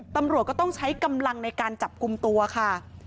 ตำรวจก็ต้องใช้กำลังในการจับกลุ่มตัวค่ะ